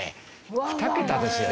２桁ですよ